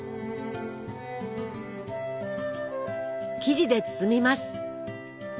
生地で包みます。